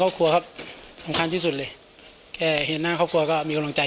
ครอบครัวครับสำคัญที่สุดเลยแค่เห็นหน้าครอบครัวก็มีกำลังใจ